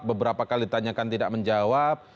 beberapa kali ditanyakan tidak menjawab